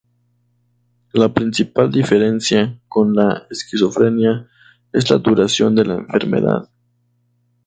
La principal diferencia con la esquizofrenia es la duración de la enfermedad.